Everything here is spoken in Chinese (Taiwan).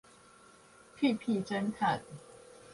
屁屁偵探